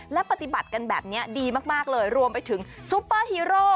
และปฏิบัติกันแบบนี้ดีมากเลยรวมไปถึงซุปเปอร์ฮีโร่